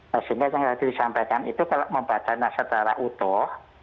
nah sehingga yang tadi disampaikan itu kalau membacanya secara utuh